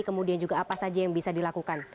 kemudian juga apa saja yang bisa dilakukan